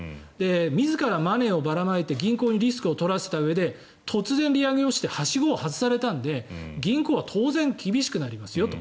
自らマネーをばらまいて銀行にリスクを取らせたうえで突然利上げをしてはしごを外されたので銀行は当然、厳しくなりますと。